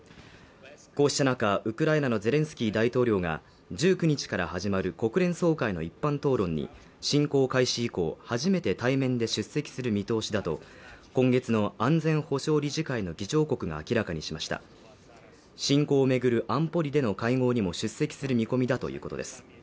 こうした中ウクライナのゼレンスキー大統領が１９日から始まる国連総会の一般討論に侵攻開始以降初めて対面で出席する見通しだと今月の安全保障理事会の議長国が明らかにしました侵攻をめぐる安保理での会合にも出席する見込みだということです